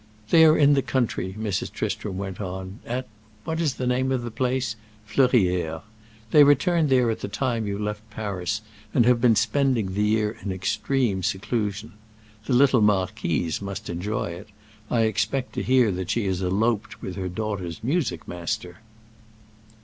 "They are in the country," Mrs. Tristram went on; "at—what is the name of the place?—Fleurières. They returned there at the time you left Paris and have been spending the year in extreme seclusion. The little marquise must enjoy it; I expect to hear that she has eloped with her daughter's music master!"